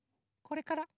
これから。